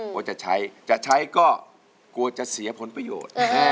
กลัวจะใช้จะใช้ก็กลัวจะเสียผลประโยชน์